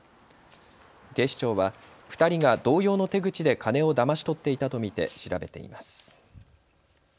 警視庁は２人が同様の手口で金をだまし取っていたと見て調べています。